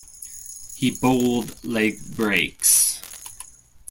He bowled leg breaks.